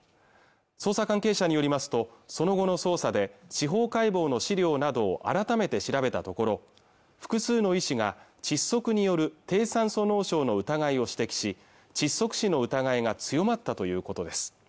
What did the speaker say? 捜査関係者によりますとその後の捜査で司法解剖の資料などを改めて調べたところ複数の医師が窒息による低酸素脳症の疑いを指摘し窒息死の疑いが強まったということです